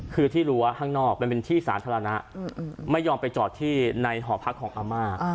คือที่รั้วข้างนอกมันเป็นที่สาธารณะไม่ยอมไปจอดที่ในหอพักของอาม่า